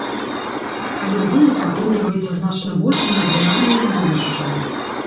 Але ў выніку атрымліваецца значна больш неардынарнае відовішча.